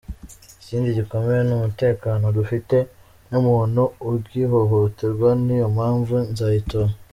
Ikindi gikomeye ni umutekano dufite, nta muntu ugihohoterwa, ni yo mpamvu nzayitora”.